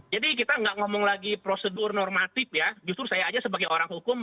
jadi kita nggak ngomong lagi prosedur normatif ya justru saya aja sebagai orang hukum